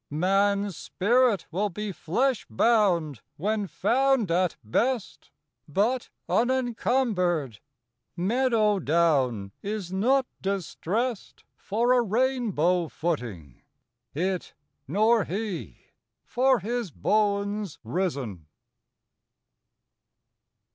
Man's spirit will be flesh bound when found at best, But uncumbered : meadow down is not distressed For a rainbow footing it nor he for his b6nes risen.